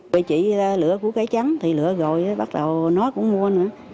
vì chị lựa của cây trắng thì lựa rồi bắt đầu nói cũng mua nữa